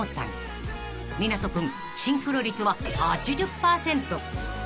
［湊斗君シンクロ率は８０％］